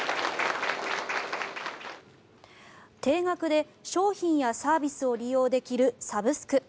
定額で商品やサービスを利用できるサブスク。